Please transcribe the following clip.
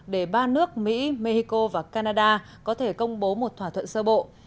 để ba nước mỹ mexico và canada có thể công bố một thỏa thuận sơ bộ